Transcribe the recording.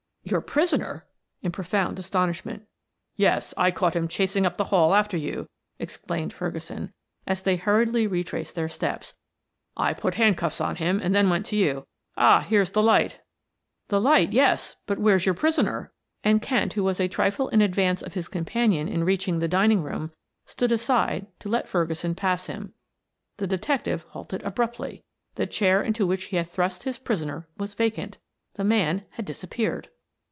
"Your prisoner?" in profound astonishment. "Yes. I caught him chasing up the hall after you," explained Ferguson as they hurriedly retraced their steps. "I put handcuffs on him and then went to you. Ah, here's the light!" "The light, yes; but where's your prisoner?" and Kent, who was a trifle in advance of his companion in reaching the dining room, stood aside to let Ferguson pass him. The detective halted abruptly. The chair into which he had thrust his prisoner was vacant. The man had disappeared.